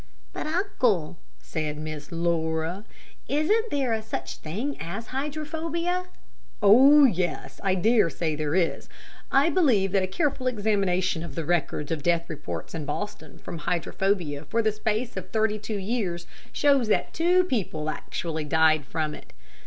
"But, uncle," said Miss Laura, "isn't there such a thing as hydrophobia?" "Oh, yes; I dare say there is. I believe that a careful examination of the records of death reported in Boston from hydrophobia for the space of thirty two years, shows that two people actually died from it.